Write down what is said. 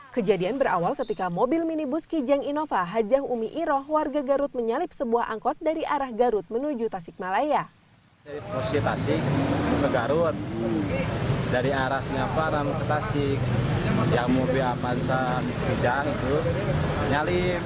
kejadian berawal ketika mobil minibus kijang innova hajah umi iroh warga garut menyalip sebuah angkot dari arah garut menuju tasikmalaya